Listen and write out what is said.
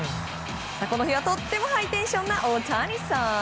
この日はとってもハイテンションな大谷さん。